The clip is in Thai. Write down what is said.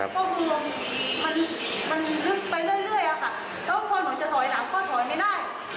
ก็คือมันลึกไปเรื่อยอะค่ะแล้วพอหนูจะถอยหลังก็ถอยไม่ได้